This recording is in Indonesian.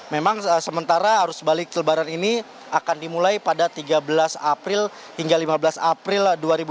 memang sementara arus balik lebaran ini akan dimulai pada tiga belas april hingga lima belas april dua ribu dua puluh